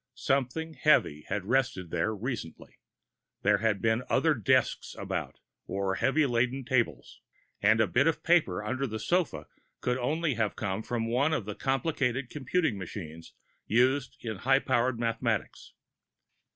Something heavy had rested there recently there had been other desks about, or heavily laden tables. And a bit of paper under the sofa could only have come from one of the complicated computing machines used in high power mathematics.